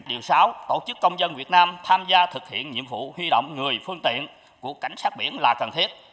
điều sáu tổ chức công dân việt nam tham gia thực hiện nhiệm vụ huy động người phương tiện của cảnh sát biển là cần thiết